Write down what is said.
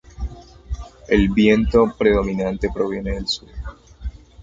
El viento predominante proviene del sur.